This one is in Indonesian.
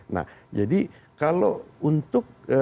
nah jadi kalau untuk